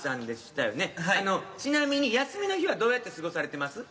ちなみに休みの日はどうやって過ごされてます？